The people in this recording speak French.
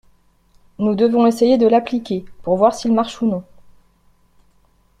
Nous devons essayer de l’appliquer, pour voir s’il marche ou non.